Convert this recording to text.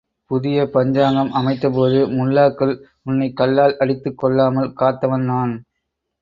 புதிய பஞ்சாங்கம் அமைத்தபோது, முல்லாக்கள் உன்னைக் கல்லால் அடித்துக் கொல்லாமல் காத்தவன் நான்!